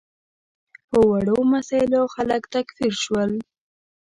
په وړو مسایلو خلک تکفیر شول.